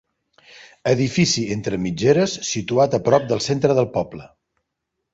Edifici entre mitgeres, situat a prop del centre del poble.